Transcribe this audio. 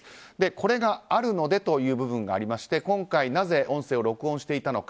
これがあるのでという部分がありまして今回なぜ音声を録音していたのか。